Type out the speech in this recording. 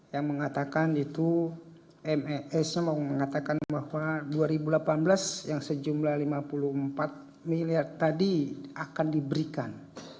yang mengatakan itu mesm mengatakan bahwa dua ribu delapan belas yang sejumlah lima puluh empat miliar tadi akan diberikan